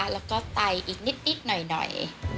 แล้วก็ไตอีกนิดหน่อย